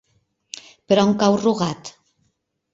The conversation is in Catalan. Per on cau Rugat?